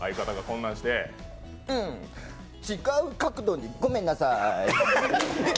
うん、違う角度でごめんなさーい。